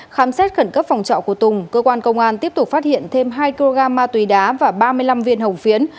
khám xét khẩn cấp phòng trọ của tùng cơ quan công an tiếp tục phát hiện thêm hai kg ma túy đá và ba mươi năm viên hồng phiến